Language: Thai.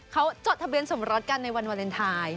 เขาจดทะเบียนสมรสกันในวันวาเลนไทย